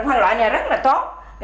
phân loại nhà rất là tốt